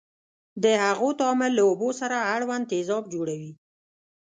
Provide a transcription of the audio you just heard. د هغو تعامل له اوبو سره اړوند تیزاب جوړوي.